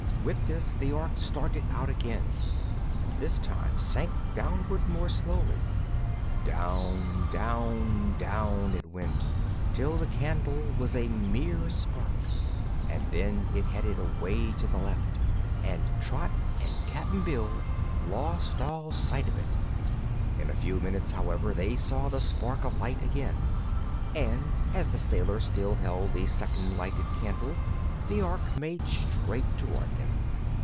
With this the Ork started out again and this time sank downward more slowly. Down, down, down it went, till the candle was a mere spark, and then it headed away to the left and Trot and Cap'n Bill lost all sight of it. In a few minutes, however, they saw the spark of light again, and as the sailor still held the second lighted candle the Ork made straight toward them.